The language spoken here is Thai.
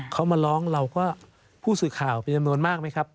เขามาร้องเราก็ผู้สื่อข่าวเป็นจำนวนมากไหมครับ